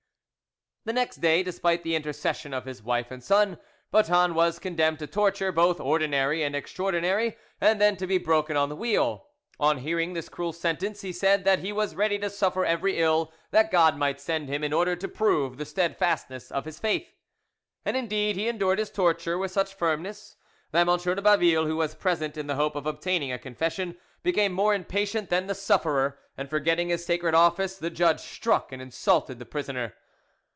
The next day, despite the intercession of his wife and son, Boeton was condemned to torture both ordinary and extraordinary, and then to be broken on the wheel. On hearing this cruel sentence, he said that he was ready to suffer every ill that God might send him in order to prove the steadfastness of his faith. And indeed he endured his torture with such firmness, that M. de Baville, who was present in the hope of obtaining a confession, became more impatient than the sufferer, and, forgetting his sacred office, the judge struck and insulted the prisoner.